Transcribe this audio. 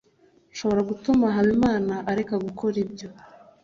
nshobora kugerageza gutuma habimana areka gukora ibyo